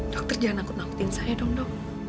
dokter jangan angkut ngangkutin saya dong dok